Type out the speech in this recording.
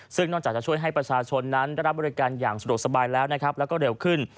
ซึ่งนอกจากจะช่วยให้ประชาชนนั้นได้รับบริการอย่างสะดวกสบายแล้วนะครับแล้วก็เร็วขึ้น